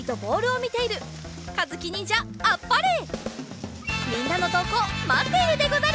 みんなのとうこうまっているでござる。